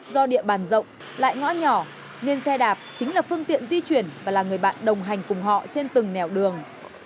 do địa bàn rộng lại ngõ nhỏ nên xe đạp chính là phương tiện di chuyển và là người bạn đồng hành cùng họ trên từng nẻo đường